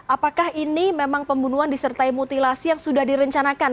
apakah ini memang pembunuhan disertai mutilasi yang sudah direncanakan